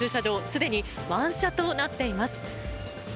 すでに満車となっています。